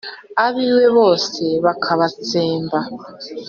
abiwe bose bakabatsemba